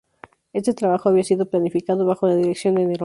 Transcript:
Este trabajo había sido planificado bajo la dirección de Nerón.